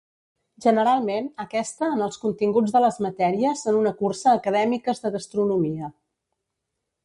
Generalment aquesta en els continguts de les matèries en una cursa acadèmiques de gastronomia.